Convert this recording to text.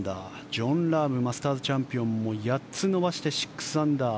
ジョン・ラームマスターズチャンピオンも８つ伸ばして６アンダー。